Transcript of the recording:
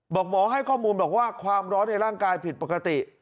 บอกหมอให้ข้อมูลบอกว่าความร้อนในร่างกายผิดปกติ